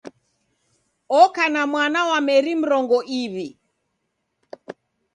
Oka na mwana wa meri mrongo iw'i.